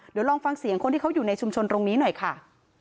เดี๋ยวลองฟังเสียงคนที่เขาอยู่ในชุมชนตรงนี้หน่อยค่ะ